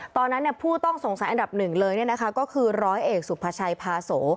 ตอนนั้นผู้ต้องสงสัยอันดับหนึ่งเลยก็คือร้อยเอกสุภาชัยพาโส